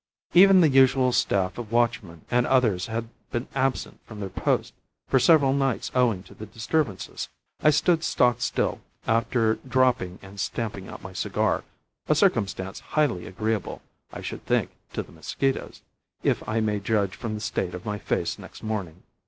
Even the usual staff of watchmen and others had been absent from their posts for several nights owing to the disturbances. I stood stock still, after dropping and stamping out my cigar a circumstance highly agreeable, I should think, to the mosquitoes, if I may judge from the state of my face next morning.